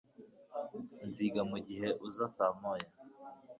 Nziga mugihe uza saa moya